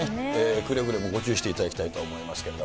くれぐれもご注意していただきたいと思いますけど。